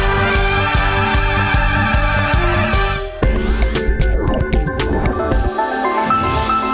โปรดติดตามตอนต่อไป